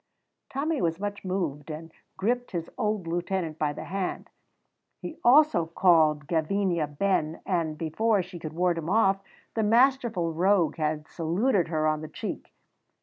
Tommy was much moved, and gripped his old lieutenant by the hand. He also called Gavinia ben, and, before she could ward him off, the masterful rogue had saluted her on the cheek.